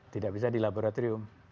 tidak bisa di laboratorium